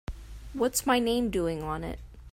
What's my name doing on it?